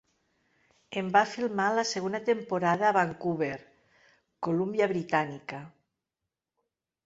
En va filmar la segona Temporada a Vancouver, Colúmbia Britànica.